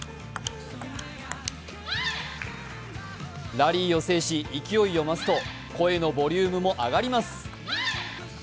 ラリーを制し勢いを増すと、声のボリュームも上がります。